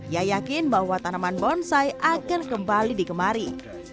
ia yakin bahwa tanaman bonsai akan kembali digemari